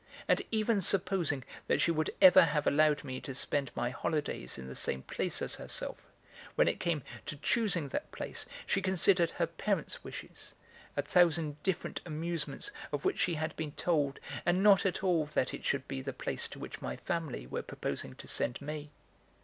And even supposing that she would ever have allowed me to spend my holidays in the same place as herself, when it came to choosing that place she considered her parents' wishes, a thousand different amusements of which she had been told, and not at all that it should be the place to which my family were proposing to send me.